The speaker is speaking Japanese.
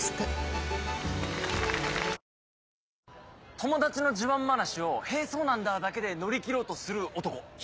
友達の自慢話を「へぇそうなんだ」だけで乗り切ろうとする男。